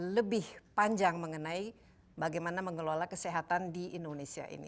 lebih panjang mengenai bagaimana mengelola kesehatan di indonesia ini